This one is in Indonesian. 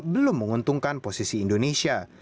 belum menguntungkan posisi indonesia